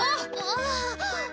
ああ。